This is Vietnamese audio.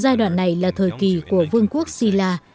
giai đoạn này là thời kỳ của vương quốc silla